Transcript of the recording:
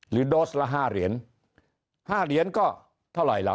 หรือโดสละ๕เหรียญ๕เหรียญก็เท่าไหร่เหรอ